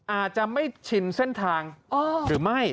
อาจจะไม่ชินเส้นทางหรือไม่